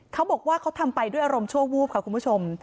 เขาบอกว่าเขาทำไปด้วยอารมณ์ชั่ววูบค่ะคุณผู้ชม